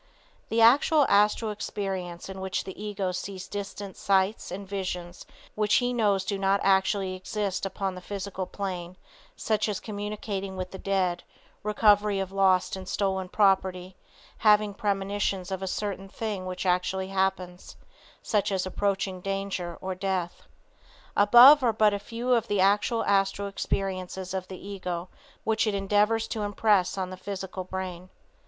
The actual Astral experience in which the ego sees distant sights, sights and visions which he knows do not actually exist upon the physical plane, such as communicating with the dead, recovery of lost and stolen property; having premonitions of a certain thing which actually happens, such as approaching danger or death. Above are but a few of the actual astral experiences of the ego which it endeavors to impress on the physical brain.